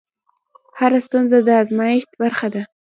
هره ستونزه د ازمېښت برخه ده.